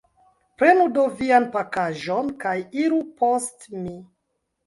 Prenu do vian pakaĵon kaj iru post mi.